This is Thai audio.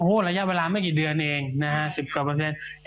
โอ้โหระยะเวลาไม่กี่เดือนเองนะฮะ๑๐กว่าเปอร์เซ็นต์